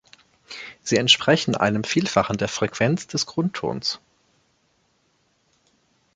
Sie entsprechen einem Vielfachen der Frequenz des Grundtons.